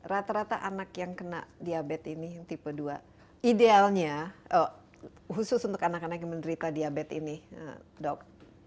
rata rata anak yang kena diabetes ini yang tipe dua idealnya khusus untuk anak anak yang menderita diabetes ini dok